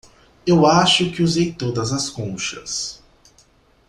Eu acho que usei todas as conchas.